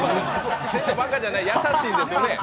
馬鹿じゃない、優しいんですよね。